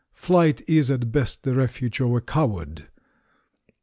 Flight is at best the refuge of a coward.